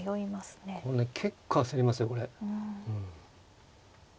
これね結構焦りますよこれ。